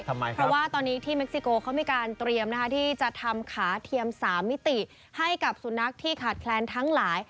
เพราะว่าตอนนี้ที่เม็กซิโกเขามีการเตรียมที่จะทำขาเทียม๓มิติให้กับสุนัขที่ขาดแคลนทั้งหลาย